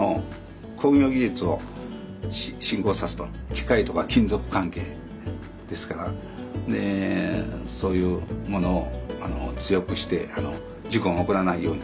機械と金属関係ですからそういうものを強くして事故が起こらないようにとか。